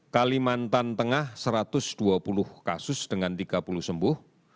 kalimantan tengah satu ratus dua puluh kasus dengan tiga puluh sembuh